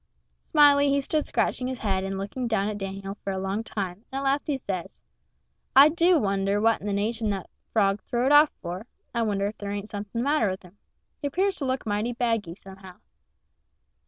Smiley he stood scratching his head and looking down at Dan'l a long time, and at last he says, "I do wonder what in the nation that frog throw'd off for I wonder if there ain't something the matter with him he 'pears to look mighty baggy, somehow."